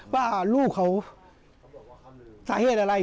ว่าลูกเขาสาเหตุอะไร